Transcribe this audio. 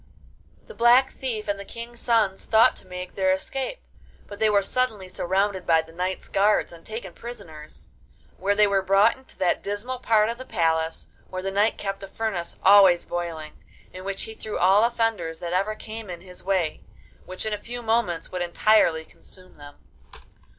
The Black Thief and the King's sons thought to make their escape, but they were suddenly surrounded by the knight's guards and taken prisoners; where they were brought into that dismal part of the palace where the knight kept a furnace always boiling, in which he threw all offenders that ever came in his way, which in a few moments would entirely consume them.